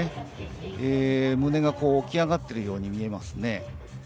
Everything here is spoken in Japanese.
胸が起き上がっているように見えますね。